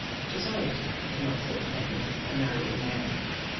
Society had not thought Edmund a marrying man.